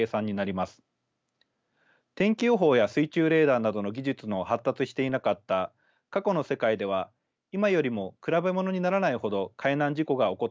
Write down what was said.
天気予報や水中レーダーなどの技術の発達していなかった過去の世界では今よりも比べ物にならないほど海難事故が起こっていました。